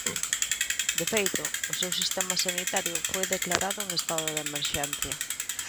De feito, o seu sistema sanitario foi declarado en estado de emerxencia.